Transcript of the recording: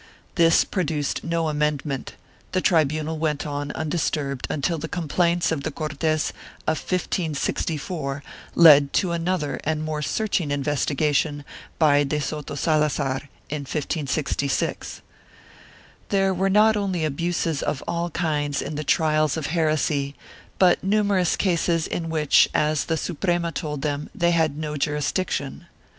3 This produced no amendment, the tribunal went on undisturbed until the complaints of the Cortes of 1564 led to another and more searching investigation by de Soto Salazar, in 1566. There were not only abuses of all kinds in the trials of heresy but numerous cases in which, as the Suprema told them, they had no jurisdiction.